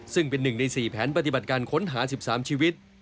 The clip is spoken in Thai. ซึ่งเป็น๑ใน๔แผนปฏิบัติการค้นหา๑๓ชีวิต